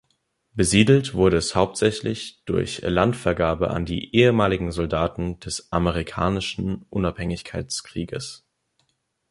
Besiedelt wurde es hauptsächlich durch Landvergabe an die ehemaligen Soldaten des Amerikanischen Unabhängigkeitskrieges.